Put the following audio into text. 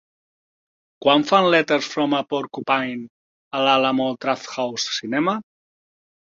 Quan fan Letters from a Porcupine a l'Alamo Drafthouse Cinema?